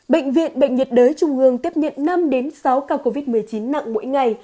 bệnh viện bệnh nhiệt đới trung hương tiếp nhận năm sáu ca covid một mươi chín nặng mỗi ngày